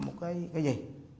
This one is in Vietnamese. một cái gì